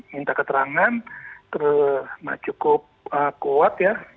minta keterangan cukup kuat ya